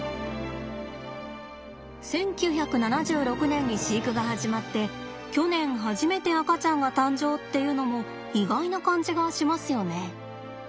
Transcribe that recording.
１９７６年に飼育が始まって去年初めて赤ちゃんが誕生っていうのも意外な感じがしますよね。